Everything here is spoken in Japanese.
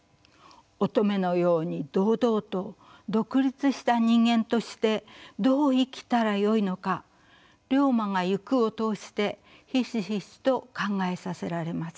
乙女のように堂々と独立した人間としてどう生きたらよいのか「竜馬がゆく」を通してひしひしと考えさせられます。